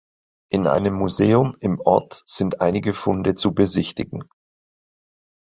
In einem Museum im Ort sind einige Funde zu besichtigen.